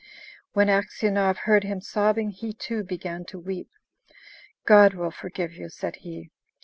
When Aksionov heard him sobbing he, too, began to weep. "God will forgive you!" said he.